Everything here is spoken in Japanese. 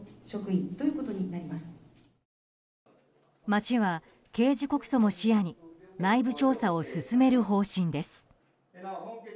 町は刑事告訴も視野に内部調査を進める方針です。